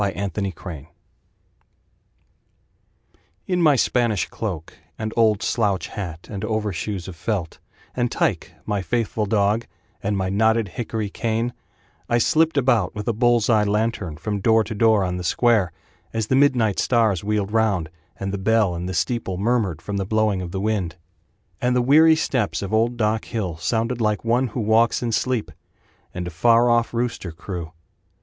Andy The Night Watch In my Spanish cloak, And old slouch hat, And overshoes of felt, And Tyke, my faithful dog, And my knotted hickory cane, I slipped about with a bull's eye lantern From door to door on the square, As the midnight stars wheeled round, And the bell in the steeple murmured From the blowing of the wind; And the weary steps of old Doc Hill Sounded like one who walks in sleep, And a far off rooster crew.